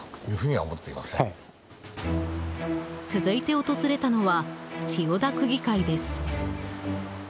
続いて訪れたのは千代田区議会です。